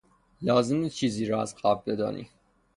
لازم نیست چیزی را از قبل بدانی.